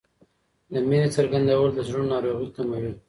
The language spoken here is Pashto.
د مینې څرګندول د زړونو ناروغۍ کموي.